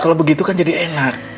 kalau begitu kan jadi enak